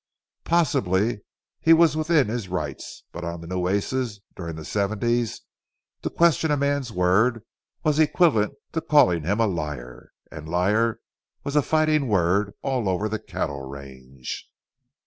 Possibly he was within his rights, but on the Nueces during the seventies, to question a man's word was equivalent to calling him a liar; and liar was a fighting word all over the cattle range.